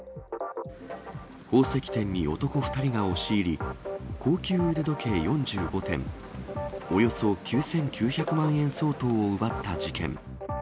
宝石店に男２人が押し入り、高級腕時計４５点、およそ９９００万円相当を奪った事件。